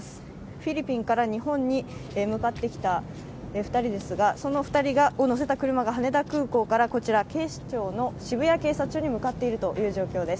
フィリピンから日本に向かってきた２人ですが、その２人を乗せた車が羽田空港から警視庁の渋谷警察署に向かっている状況です。